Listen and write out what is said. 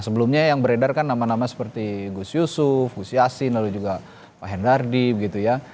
sebelumnya yang beredar kan nama nama seperti gus yusuf gus yassin lalu juga pak hendardi gitu ya